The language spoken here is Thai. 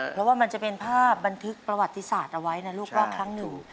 เพราะว่ามันจะเป็นภาพบันทึกประวัติศาสตร์เอาไว้นะลูกว่าครั้งหนึ่ง